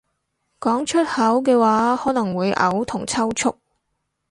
講出口嘅話可能會嘔同抽搐